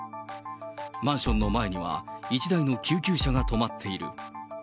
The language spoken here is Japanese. マンションの前には、１台の救急車が止まっている。